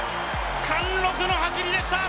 貫禄の走りでした。